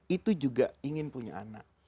itu juga ingin punya anak